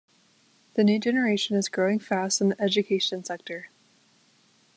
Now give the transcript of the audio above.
The new generation is growing fast in the education sector.